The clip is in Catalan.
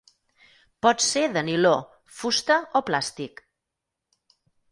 Pot ser de niló, fusta o plàstic.